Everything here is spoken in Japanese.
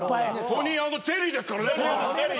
トニー＆チェリーですからね。